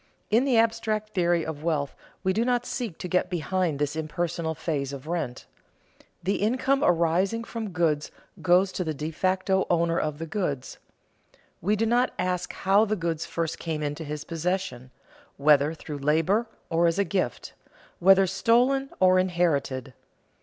In the abstract theory of value we do not seek to get behind this impersonal phase of rent. The income arising from goods goes to the de facto owner of the goods. We do not ask how the goods first came into his possession, whether through labor or as a gift, whether stolen or inherited.